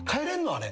あれ。